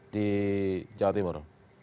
di jawa timur